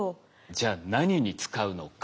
じゃあ何に使うのか。